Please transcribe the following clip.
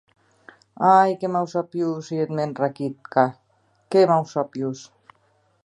Ai, qué mausapiós ei eth mèn Rakitka, qué mausapiós!